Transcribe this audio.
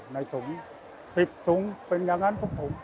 ในถุง๑๐ถุงเป็นอย่างนั้นของผม